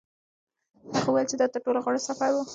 هغه وویل چې دا تر ټولو غوره سفر و.